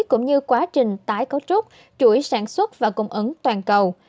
cũng như quá trình tái cấu trúc chuỗi sản xuất và cung ứng toàn cầu